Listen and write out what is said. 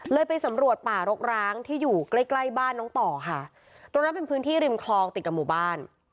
ไปสำรวจป่ารกร้างที่อยู่ใกล้ใกล้บ้านน้องต่อค่ะตรงนั้นเป็นพื้นที่ริมคลองติดกับหมู่บ้าน